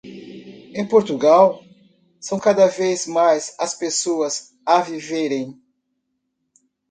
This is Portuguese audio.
Em Portugal, são cada vez mais as pessoas a viverem.